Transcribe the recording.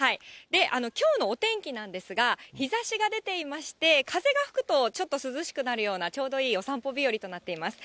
きょうのお天気なんですが、日ざしが出ていまして、風が吹くと、ちょっと涼しくなるような、ちょうどいいお散歩日和となっています。